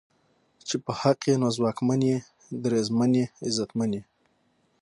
چې په حق ئې نو ځواکمن یې، دریځمن یې، عزتمن یې